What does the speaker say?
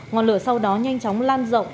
ngọn lửa sau đó nhanh chóng lan rộng